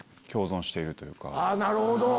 なるほど！